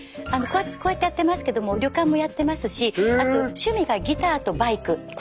こうやってやってますけども旅館もやってますしあと趣味がギターとバイク。